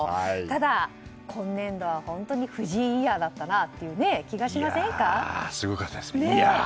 ただ、今年度は本当に藤井イヤーだったなという気がしませんか？